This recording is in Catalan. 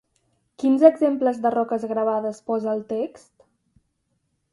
Quins exemples de roques gravades posa el text?